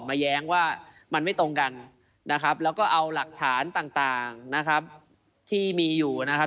แย้งว่ามันไม่ตรงกันนะครับแล้วก็เอาหลักฐานต่างนะครับที่มีอยู่นะครับ